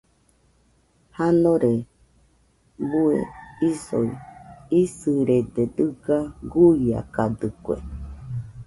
Janore bue isoi isɨrede dɨga guiakadɨkue.